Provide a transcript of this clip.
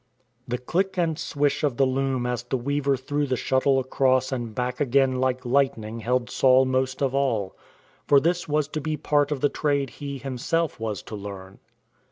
The click and swish of the loom as the weaver threw the shuttle across and back again like lightning held Saul most of all. For this was to be part of the trade he, himself, was to learn.